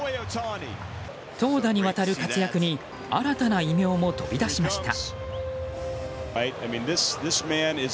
投打にわたる活躍に新たな異名も飛び出しました。